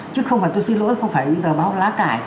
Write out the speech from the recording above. chứ không phải tôi xin lỗi không phải những tờ báo lá cải